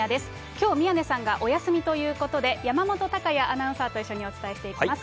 きょう、宮根さんがお休みということで、山本隆弥アナウンサーと一緒にお伝えしていきます。